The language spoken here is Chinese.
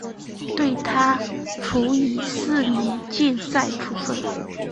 对她处以四年禁赛处分。